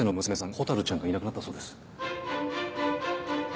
ほたるちゃんがいなくなったそうです。